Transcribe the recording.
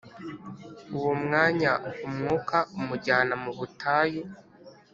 “Uwo mwanya Umwuka amujyana mu butayu